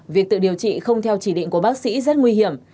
việc tự điều trị không theo chỉ định của bác sĩ rất nguy hiểm